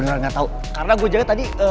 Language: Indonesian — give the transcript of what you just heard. bisa sekarang gak ya gue